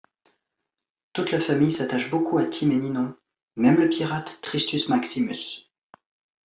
Toute la famille s'attache beaucoup à Tim et Ninon, même le pirate Tristus Maximus.